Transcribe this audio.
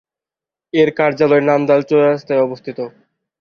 এর কার্যালয় নান্দাইল চৌরাস্তায় অবস্থিত।